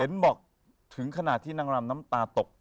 บอกถึงขนาดที่นางรำน้ำตาตก